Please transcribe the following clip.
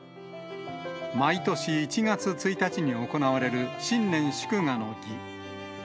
毎年１月１日に行われる新年祝賀の儀。